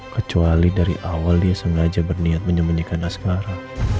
kecuali dari awal dia sengaja berniat menyembunyikan askara